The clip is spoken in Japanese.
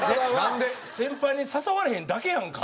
先輩に誘われへんだけやんか。